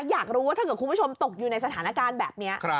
อยากรู้ว่าถ้าเกิดคุณผู้ชมตกอยู่ในสถานการณ์แบบนี้